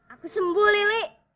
aku sembuh lili